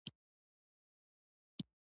کوم ارګنایزیشن چې زموږ سفر ترتیب کړی دی.